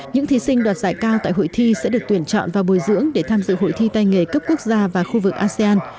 những thí sinh đoạt giải cao tại hội thi sẽ được tuyển chọn và bồi dưỡng để tham dự hội thi tay nghề cấp quốc gia và khu vực asean